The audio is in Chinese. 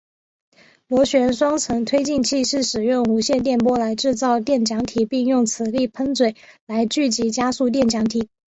螺旋双层推进器是使用无线电波来制造电浆体并用磁力喷嘴来聚集加速电浆体。